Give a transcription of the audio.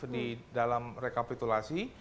di dalam rekapitulasi